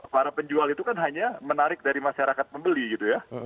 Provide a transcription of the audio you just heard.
para penjual itu kan hanya menarik dari masyarakat membeli gitu ya